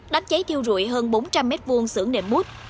đánh cháy thiêu dụi hơn bốn trăm linh mét vuông xưởng nệm mút